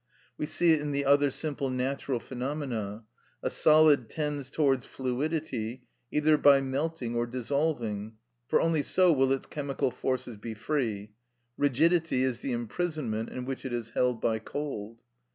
We see it in the other simple natural phenomena. A solid tends towards fluidity either by melting or dissolving, for only so will its chemical forces be free; rigidity is the imprisonment in which it is held by cold.